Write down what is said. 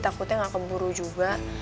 takutnya enggak keburu juga